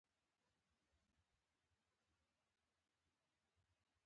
دوی کوښښ کوي چې د مېرمنو کتار ته ځان ورسوي.